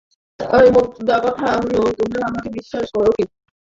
তাই, মোদ্দাকথা হলো তোমরা আমাকে বিশ্বাস করো কি- না।